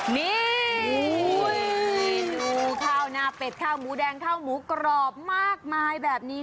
นี่ดูข้าวหน้าเป็ดข้าวหมูแดงข้าวหมูกรอบมากมายแบบนี้